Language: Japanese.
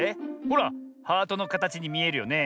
ほらハートのかたちにみえるよね。